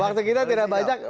waktu kita tidak banyak